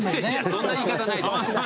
そんな言い方ないでしょ。